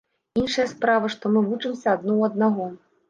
Іншая справа, што мы вучымся адно ў аднаго.